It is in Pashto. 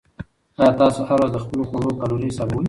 آیا تاسو هره ورځ د خپلو خواړو کالوري حسابوئ؟